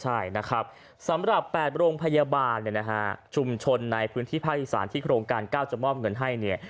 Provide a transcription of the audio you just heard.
ใช่นะครับสำหรับ๘โรงพยาบาลชุมชนในพื้นที่ภาคอีสานที่โครงการก้าวจะมอบเงินให้